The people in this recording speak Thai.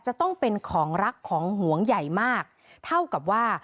จะต้องเป็นของรักของหวงใหญ่มากเท่ากับว่า